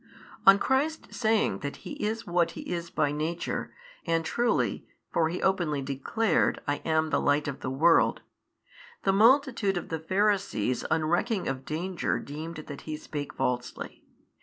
On Christ saying that He is what He is by Nature and truly (for He openly declared, I am the Light of the world) the multitude of the Pharisees unrecking of danger deemed that He spake falsely.